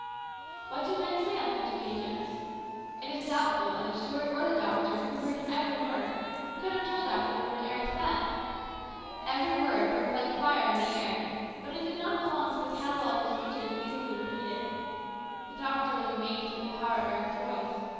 What do men say on such occasions ? It is doubtful whether Stuart or the doctor, who heard every word, could have told afterward what Eric said. Every word burned like fire in the air, but it did not belong to the catalogue of speeches easily repeated. The doctor was amazed at the power of Eric's voice.